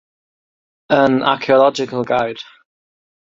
An Archaeological Guide".